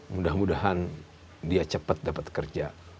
mudah mudahan dia cepat dapat kerja